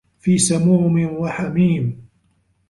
في سَمومٍ وَحَميمٍ